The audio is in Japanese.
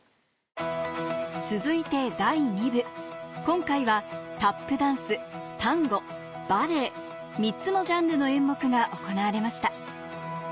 続いて第二部今回はタップダンスタンゴバレエ３つのジャンルの演目が行われました